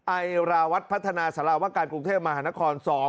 ไอราวัฒน์พัฒนาสารวการกรุงเทพมหานคร๒